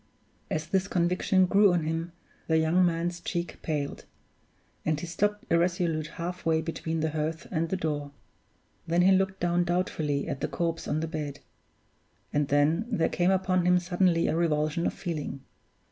As this conviction grew on him, the young man's cheek paled; and he stopped irresolute half way between the hearth and the door. Then he looked down doubtfully at the corpse on the bed; and then there came upon him suddenly a revulsion of feeling.